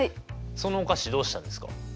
そのお菓子どうしたんですか？